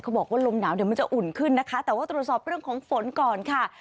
บอกว่าลมหนาวเดี๋ยวมันจะอุ่นขึ้นนะคะแต่ว่าตรวจสอบเรื่องของฝนก่อนค่ะ